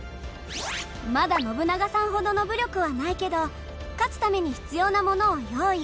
まだ信長さんほどの武力はないけど勝つために必要なものを用意。